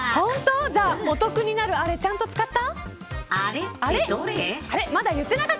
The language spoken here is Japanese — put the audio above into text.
じゃあ、お得になるあれちゃんと使った。